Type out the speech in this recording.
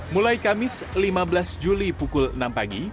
mulai kamis lima belas juli pukul enam pagi